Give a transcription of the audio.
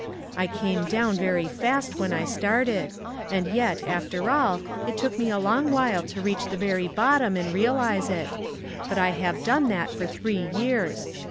I came down very fast when I started ; ami yet, after all, it took me a long while to reach the very bottom, and realize it ; but I have done that for three years.